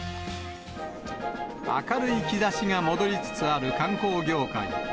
明るい兆しが戻りつつある観光業界。